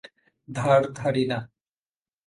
ধার ধারি না।